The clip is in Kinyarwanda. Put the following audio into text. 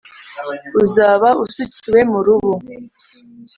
uzaba usukiwe mu rubu.